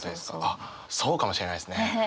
あっそうかもしれないですね。